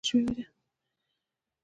د ليکوال په کومه افسانه رغ کړے شوې ده.